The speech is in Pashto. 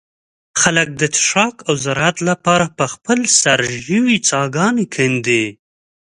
خلک د څښاک او زراعت له پاره په خپل سر ژوې څاګانې کندي.